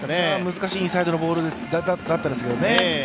難しいインサイドのボールだったんですけどね。